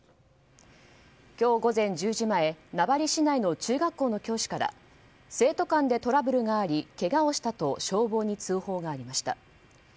今日午前１０時前名張市内の中学校の教師から生徒間でトラブルがありけがをしたと消防に通報がありました。